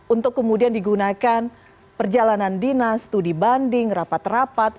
untuk kemudian digunakan perjalanan dinas studi banding rapat rapat